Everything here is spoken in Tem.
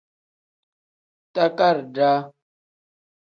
Takadaa.